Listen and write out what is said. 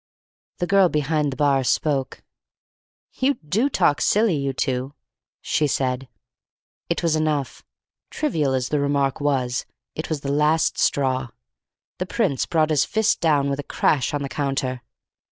The girl behind the bar spoke. "You do talk silly, you two!" she said. It was enough. Trivial as the remark was, it was the last straw. The Prince brought his fist down with a crash on the counter.